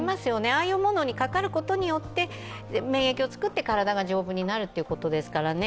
ああいうものにかかることによって免疫を作って体が丈夫になるということですからね。